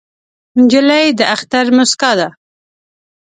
نجلۍ د اختر موسکا ده.